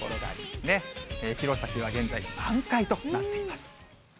弘前は現在満開となっています。